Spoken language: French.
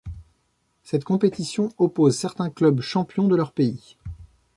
Cette compétition oppose certains clubs champions de leur pays.